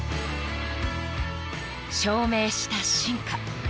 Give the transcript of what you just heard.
［証明した進化］